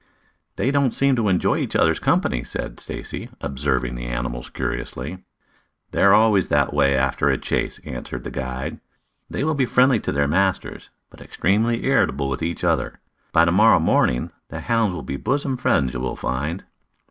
"They don't seem to enjoy each other's company," said Stacy, observing the animals curiously. "They're always that way after a chase," answered the guide. "They will be friendly to their masters, but extremely irritable to each other. By to morrow morning the hounds will be bosom friends, you will find."